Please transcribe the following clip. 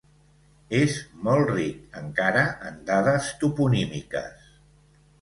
És molt ric, encara, en dades toponímiques.